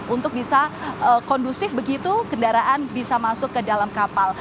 untuk bisa kondusif begitu kendaraan bisa masuk ke dalam kapal